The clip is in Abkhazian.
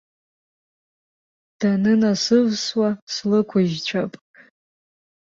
Данынасывсуа слықәыжьцәап.